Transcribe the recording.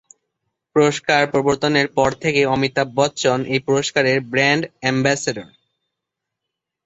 পুরস্কার প্রবর্তনের পর থেকে অমিতাভ বচ্চন এই পুরস্কারের ব্র্যান্ড অ্যাম্বাসেডর।